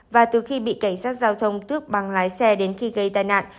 và từ khi bị cảnh sát giao thông tước bằng lái xe đến khi gây tai nạn